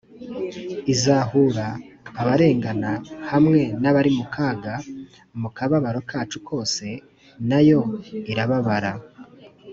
izahura abarengana hamwe n’abari mu kaga mu kababaro kacu kose na yo irababara